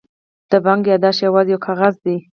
د بانک یادښت یوازې یو کاغذ دی.